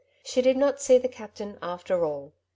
She did not see the captain after all.